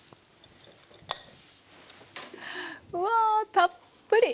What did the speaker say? うわたっぷり！